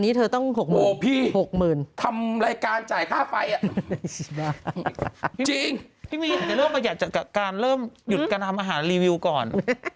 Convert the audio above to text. พี่พีเริ่มประหยัดกับการยุดการทำอาหารรีวิวก่อน